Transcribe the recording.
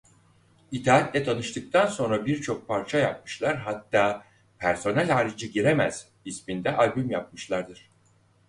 İtaatle tanıştıktan sonra birçok parça yapmışlar hatta Personel Harici Giremez isminde albüm yapmışlardır.